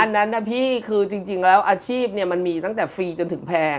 อันนั้นนะพี่คือจริงแล้วอาชีพมันมีตั้งแต่ฟรีจนถึงแพง